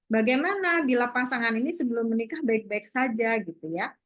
bagaimana bila pasangan ini sebelum menikah baik baik saja gitu ya